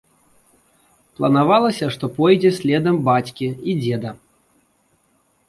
Планавалася, што пойдзе следам бацькі і дзеда.